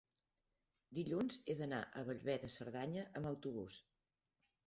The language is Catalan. dilluns he d'anar a Bellver de Cerdanya amb autobús.